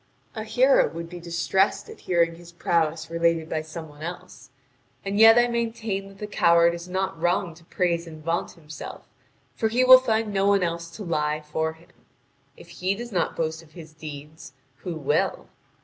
A hero would be distressed at hearing his prowess related by some one else. And yet I maintain that the coward is not wrong to praise and vaunt himself, for he will find no one else to lie for him. If he does not boast of his deeds, who will?